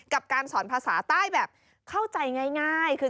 การสอนภาษาใต้แบบเข้าใจง่ายคือ